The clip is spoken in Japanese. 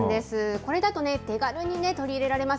これだとね、手軽に取り入れられます。